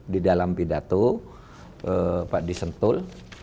di dalam pidato pak disentul